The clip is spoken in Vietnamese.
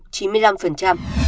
tỷ lục chín mươi năm